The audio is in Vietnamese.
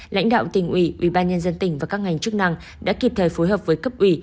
lãnh đạo tỉnh ủy ubnd tỉnh và các ngành chức năng đã kịp thời phối hợp với cấp ủy